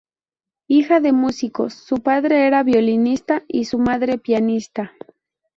Hija de músicos, su padre era violinista y su madre pianista.